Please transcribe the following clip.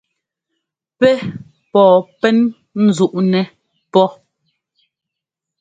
Pɛ́ pɔɔ pɛn ńzúꞌnɛ́ pɔ́.